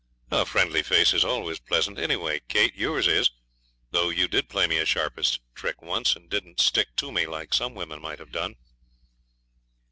'A friendly face is always pleasant. Anyhow, Kate, yours is, though you did play me a sharpish trick once, and didn't stick to me like some women might have done.'